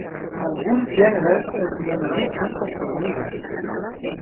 Alguns gèneres es mimetitzen com formigues.